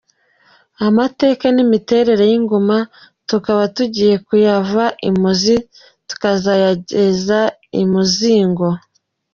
Amateka n’imiterere y’ingoma tukaba tugiye kuyava i muzi tukazayagera i muzingo.